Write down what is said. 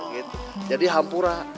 gitu jadi hampura